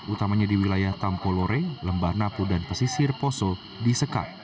utamanya di wilayah tampolore lembah napu dan pesisir poso disekat